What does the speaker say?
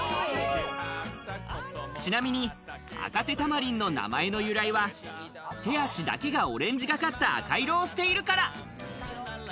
ちなみに、アカテタマリンの名前の由来は手足だけがオレンジがかった赤い色をしているから。